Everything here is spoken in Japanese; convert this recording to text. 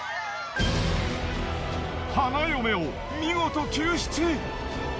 花嫁を見事救出。